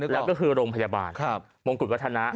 และคือโรงพยาบาลมงคุยพัฒณะ